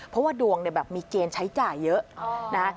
เพราะว่าดวงมีเกณฑ์ใช้จ่ายเยอะ